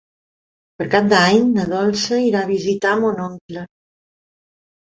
Per Cap d'Any na Dolça irà a visitar mon oncle.